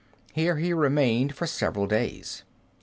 Here he remained for several days.